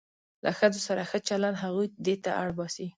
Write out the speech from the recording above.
له ښځو سره ښه چلند هغوی دې ته اړ باسي.